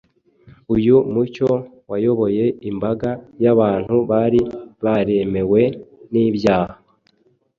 Uyu mucyo wayoboye imbaga y’abantu bari baremerewe n’ibyaha